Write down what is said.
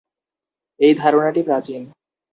এই ধারণাটি প্রাচীন।